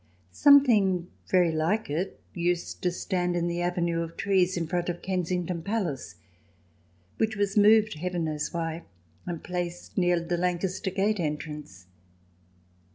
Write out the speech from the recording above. Something very like it used to stand in the 68 THE DESIRABLE ALIEN [ch. vi avenue of trees in front of Kensington Palace, which v/as moved, Heaven knows why, and placed near the Lancaster Gate entrance.